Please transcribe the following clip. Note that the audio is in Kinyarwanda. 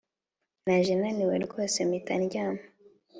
Naje naniwe rwose mpita ndyama